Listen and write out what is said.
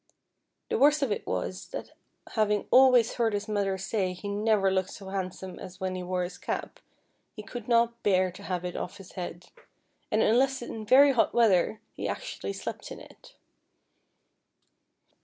The worst of it was, that having always heard his mother say he never looked so handsome as when he wore his cap, he could not bear to have it off his head, and unless in very hot weather, he actually slept in it.